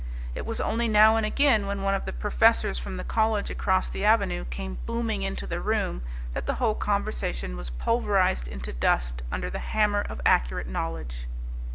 It was only now and again, when one of the professors from the college across the avenue came booming into the room, that the whole conversation was pulverized into dust under the hammer of accurate knowledge.